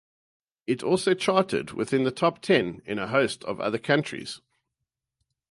It also charted within the top ten in a host of other countries.